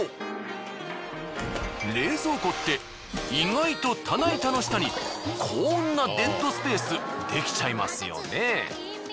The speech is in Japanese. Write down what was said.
冷蔵庫って意外と棚板の下にこんなデッドスペースできちゃいますよね。